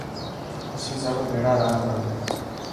اسين سڀ ڀيڙا رهان ٿا.